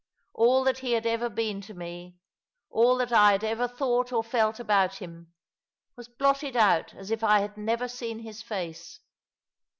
All that he had ever been to me — all that I had ever thought or felt about him — was blotted out as if I had never seen his face.